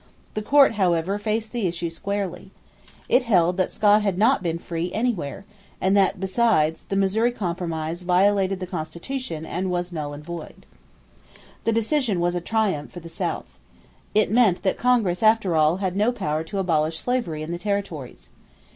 The Court, however, faced the issue squarely. It held that Scott had not been free anywhere and that, besides, the Missouri Compromise violated the Constitution and was null and void. The decision was a triumph for the South. It meant that Congress after all had no power to abolish slavery in the territories.